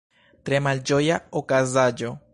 Tre malĝoja okazaĵo.